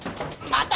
また！？